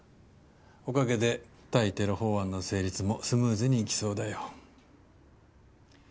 おかげで対テロ法案の成立もスムーズにいきそうだよ。